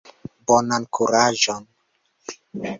Bonan kuraĝon!